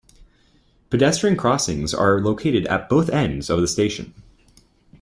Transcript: Pedestrian crossings are located at both ends of the station.